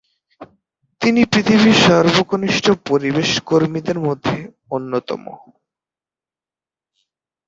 তিনি পৃথিবীর সর্বকনিষ্ঠ পরিবেশ কর্মীদের মধ্যে অন্যতম।